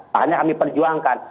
makanya kami perjuangkan